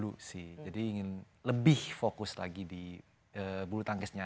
cuma kalau saya pribadi mungkin saya untuk sementara ini menjelang olimpiade juga